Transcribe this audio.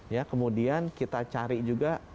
ya kemudian kita cari juga